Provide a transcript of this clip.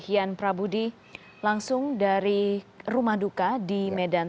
hian prabudi langsung dari rumah duka di medan